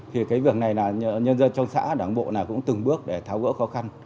thì cái việc này là nhân dân trong xã đảng bộ nào cũng từng bước để tháo gỡ khó khăn